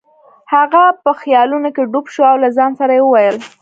هغه په خیالونو کې ډوب شو او له ځان سره یې وویل.